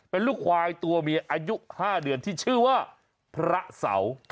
เป็นลูกควายตัวเมียอายุ๕เดือนที่ชื่อว่าพระเสา